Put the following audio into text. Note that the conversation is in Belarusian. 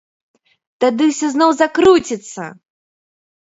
Тады ўсё зноў закруціцца!